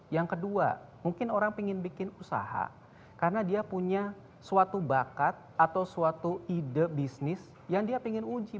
yang kedua mungkin orang ingin bikin usaha karena dia punya suatu bakat atau suatu ide bisnis yang dia ingin uji